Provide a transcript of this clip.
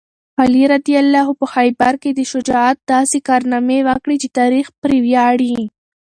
علي رض په خیبر کې د شجاعت داسې کارنامې وکړې چې تاریخ پرې ویاړي.